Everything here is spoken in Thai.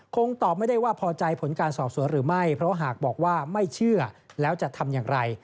คงตอบไม่ได้ว่าพอใจผลการสอบสวนหรือไม่เพราะหากบอกว่าไม่เชื่อแล้วจะทำอย่างไร